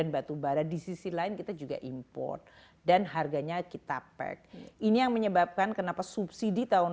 batubara di sisi lain kita juga import dan harganya kita pack ini yang menyebabkan kenapa subsidi tahun